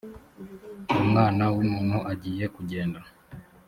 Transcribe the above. umwana w’umuntu agiye kugenda